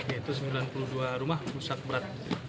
yaitu sembilan puluh dua rumah rusak berat